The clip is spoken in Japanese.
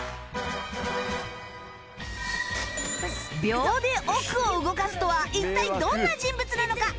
秒で億を動かすとは一体どんな人物なのか？